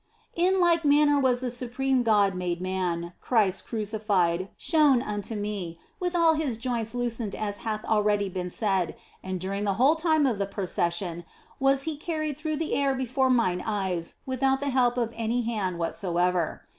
OF FOLIGNO 237 In like manner was the supreme God made Man, Christ Crucified, shown unto me, with all His joints loosened as hath already been said, and during the whole time of the procession was He carried through the air before mine eyes without the help of any hand whatsoever.